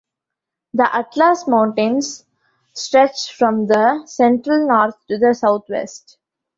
The Atlas Mountains stretch from the central north to the south west.